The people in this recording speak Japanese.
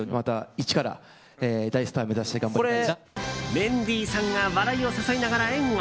メンディーさんが笑いを誘いながら援護。